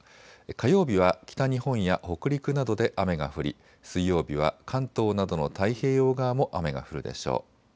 火曜日は北日本や北陸などで雨が降り水曜日は関東などの太平洋側も雨が降るでしょう。